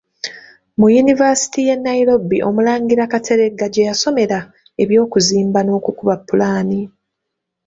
Mu yunivasite y’e Nairobi Omulangira Kateregga gye yasomera eby'okuzimba n’okukuba ppulaani.